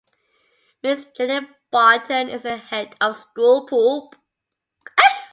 Miss Jenny Barton is the Head of School.